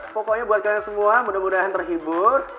pokoknya buat kita semua mudah mudahan terhibur